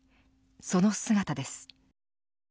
その姿です。